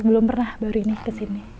belum pernah baru ini kesini